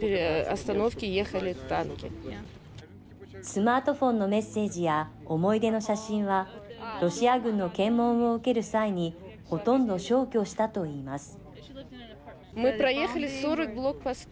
スマートフォンのメッセージや思い出の写真はロシア軍の検問を受ける際にほとんど消去したといいます。